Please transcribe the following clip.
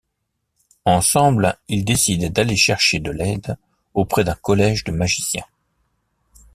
Ensemble ils décident d'aller chercher de l'aide auprès d'un collège de magiciens.